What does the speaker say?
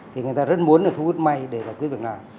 thì người ta rất muốn là thu hút may để giải quyết việt nam